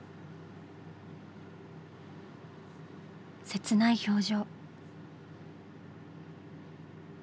切ない表情。